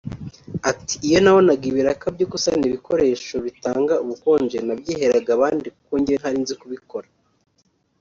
Ati “Iyo nabonaga ibiraka byo gusana ibikoresho bitanga ubukonje nabyiheraga abandi kuko njyewe ntari nzi kubikora